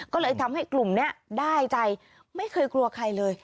ก็เลยทำให้กลุ่มนี้ได้ใจไม่เคยกลัวใครเลย